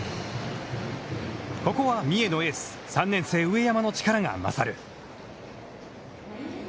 ここは三重のエース、３年生上山の力がまさる。